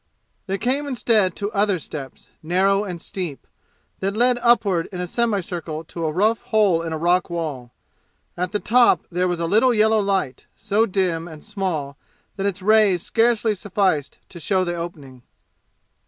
They came instead to other steps, narrow and steep, that led upward in a semicircle to a rough hole in a rock wall. At the top there was a little yellow light, so dim and small that its rays scarcely sufficed to show the opening.